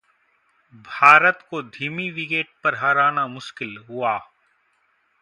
भारत को धीमी विकेट पर हराना मुश्किल: वॉ